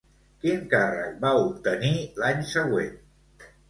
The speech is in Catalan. Quin càrrec va obtenir l'any següent?